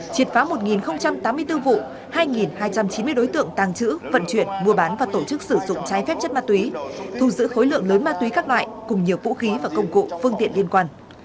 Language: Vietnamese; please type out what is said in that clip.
triệt phá một tám mươi bốn vụ hai hai trăm chín mươi đối tượng tàng trữ vận chuyển mua bán và tổ chức sử dụng trái phép chất ma túy thu giữ khối lượng lớn ma túy các loại cùng nhiều vũ khí và công cụ phương tiện liên quan